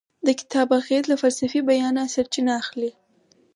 د کتاب اغیز له فلسفي بیانه سرچینه اخلي.